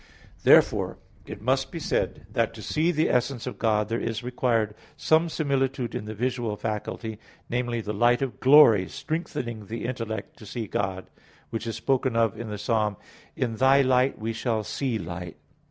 Therefore it must be said that to see the essence of God, there is required some similitude in the visual faculty, namely, the light of glory strengthening the intellect to see God, which is spoken of in the Psalm (35:10), "In Thy light we shall see light."